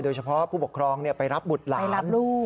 โดยเฉพาะผู้ปกครองไปรับบุตรหลาน